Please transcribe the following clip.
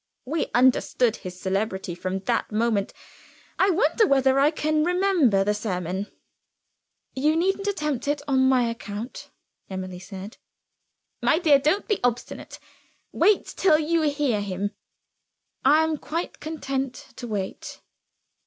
We understood his celebrity, from that moment I wonder whether I can remember the sermon." "You needn't attempt it on my account," Emily said. "My dear, don't be obstinate. Wait till you hear him." "I am quite content to wait."